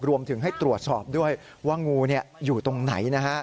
รวมถึงให้ตรวจสอบด้วยว่างูอยู่ตรงไหน